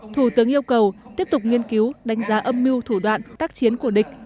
thủ tướng yêu cầu tiếp tục nghiên cứu đánh giá âm mưu thủ đoạn tác chiến của địch